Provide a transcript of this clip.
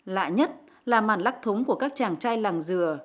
lạ nhất là màn lắc thúng của các chàng trai làng dừa